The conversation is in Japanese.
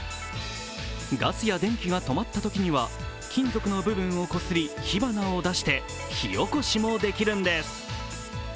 ガスや電気が止まったときには金属の部分をこすり火花を出して火起こしもできるんです。